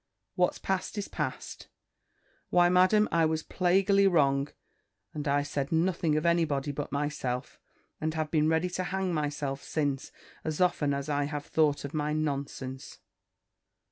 What's past is past." "Why, Madam, I was plaguily wrong; and I said nothing of any body but myself: and have been ready to hang myself since, as often as I have thought of my nonsense."